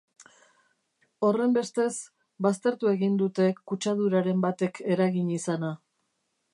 Horrenbestez, baztertu egin dute kutsaduraren batek eragin izana.